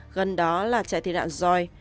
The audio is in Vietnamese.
gần đó là trại tị nạn joy